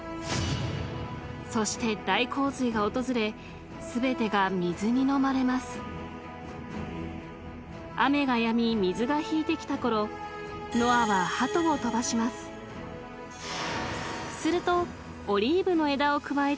［そして大洪水が訪れ全てが水にのまれます］［雨がやみ水が引いてきたころノアは］［すると］